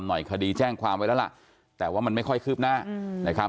หน่อยคดีแจ้งความไว้แล้วล่ะแต่ว่ามันไม่ค่อยคืบหน้านะครับ